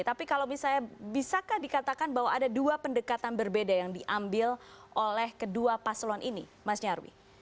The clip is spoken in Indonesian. tapi kalau misalnya bisakah dikatakan bahwa ada dua pendekatan berbeda yang diambil oleh kedua paslon ini mas nyarwi